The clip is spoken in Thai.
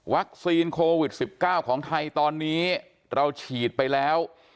โควิด๑๙ของไทยตอนนี้เราฉีดไปแล้ว